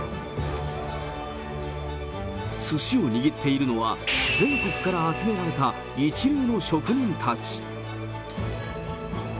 すしを握っているのは、全国から集められた一流の職人たち。